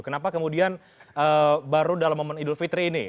kenapa kemudian baru dalam momen idul fitri ini